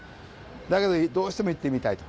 だけど、どうしても行ってみたい。